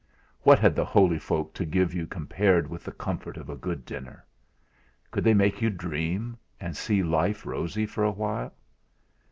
What had the holy folk to give you compared with the comfort of a good dinner? Could they make you dream, and see life rosy for a little?